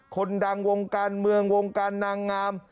คนดังวงการเมืองวงการนางงาม